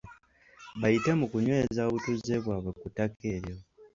Bayite mu kunyweza obutuuze bwabwe ku ttaka eryo.